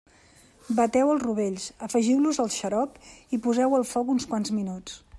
Bateu els rovells, afegiu-los al xarop i poseu-ho al foc uns quants minuts.